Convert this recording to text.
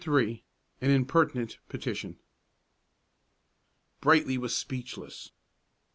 AN IMPERTINENT PETITION. Brightly was speechless.